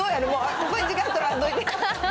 ここに時間取らんといて。